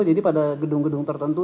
jadi pada gedung gedung tertentu